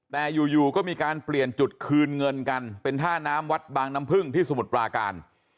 แต่อยู่ก็มีการเปลี่ยนจุดคืนเงินกันเป็นท่าน้ำวัดบางน้ำพึ่งที่สมุทรปราการ